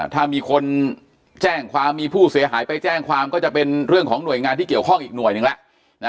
ถ้ามีคนแจ้งความมีผู้เสียหายไปแจ้งความก็จะเป็นเรื่องของหน่วยงานที่เกี่ยวข้องอีกหน่วยหนึ่งแล้ว